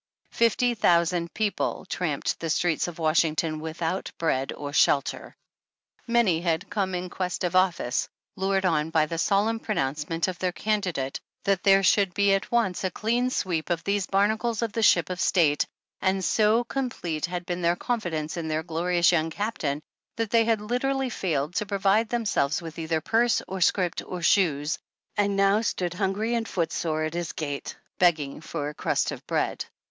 Fifty thou sand people tramped the streets of V/ashington without bread or shelter. Many had come in quest of office, lured on by the solemn pronouncement of their candidate that there should be at once a clean sweep of these barnacles of the ship of State and so complete had been their confidence in their glorious young captain, that they had literally failed to pro vide themselves with either '' purse or script or shoes," and now stood hungry and footsore at his gate, beg ging for a crust of bread.